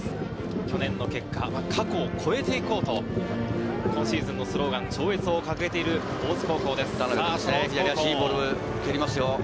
去年の結果、過去を超えていこうと、今シーズンのスローガン「超越」を抱えている大津高校です。